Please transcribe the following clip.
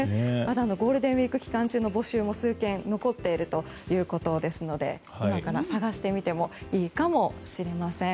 ゴールデンウィーク期間中の募集もまだ数件、残っているということですので今から探してみてもいいかもしれません。